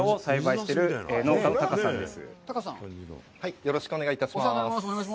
よろしくお願いします。